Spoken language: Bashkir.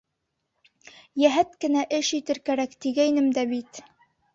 Йәһәт кенә эш итер кәрәк, тигәйнем дә бит.